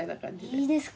いいですか？